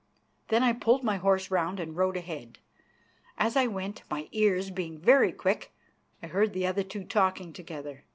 Then I pulled my horse round and rode ahead. As I went, my ears being very quick, I heard the other two talking together.